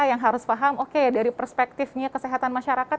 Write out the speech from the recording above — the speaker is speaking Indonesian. yang harus paham oke ya dari perspektifnya kesehatan masyarakat